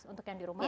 untuk yang di rumah